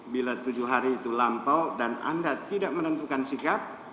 bila tujuh hari itu lampau dan anda tidak menentukan sikap